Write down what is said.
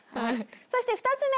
そして２つ目。